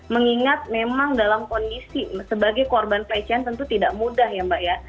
mengingat memang dalam kondisi sebagai korban pelecehan tentu tidak mudah ya mbak ya